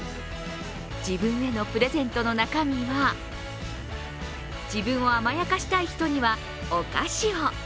自分へのプレゼントの中身は自分を甘やかしたい人にはお菓子を。